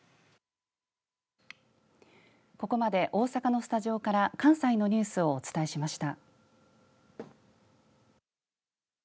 ここまで大阪のスタジオから関西のニュースをお伝えしました。